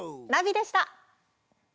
ナビでした。